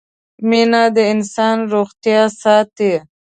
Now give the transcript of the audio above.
مينه د انسان روغتيا ساتي